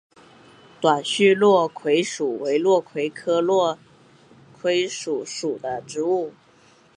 短序落葵薯为落葵科落葵薯属的植物。